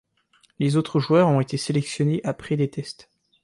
Les autres joueurs ont été sélectionnés après des tests.